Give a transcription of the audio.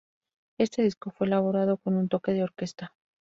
Este disco fue elaborado con un toque de orquesta.